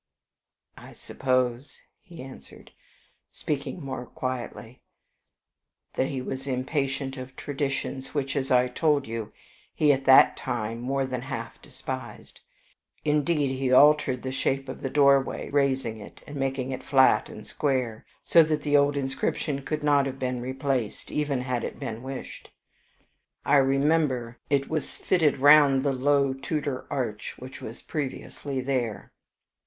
"I suppose," he answered, speaking more quietly, "that he was impatient of traditions which, as I told you, he at that time more than half despised. Indeed he altered the shape of the doorway, raising it, and making it flat and square, so that the old inscription could not have been replaced, even had it been wished. I remember it was fitted round the low Tudor arch which was previously there."